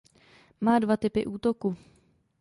Má dva typy útoku.